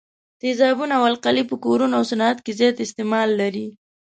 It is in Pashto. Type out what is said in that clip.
تیزابونه او القلي په کورونو او صنعت کې زیات استعمال لري.